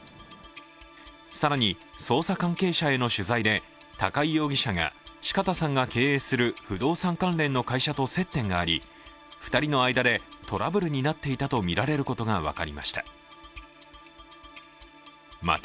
更に、捜査関係者への取材で高井容疑者が四方さんが経営する不動産関連の会社と接点があり２人の間でトラブルになっていたとみられることが分かりました。